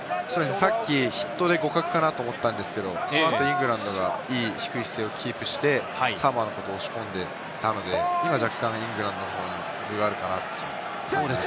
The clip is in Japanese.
さっきヒットで互角かなと思ったんですけれども、その後、イングランドが低い姿勢をキープして、サモアのことを押し込んでいたので、今、若干イングランドの方に分があるかなと思います。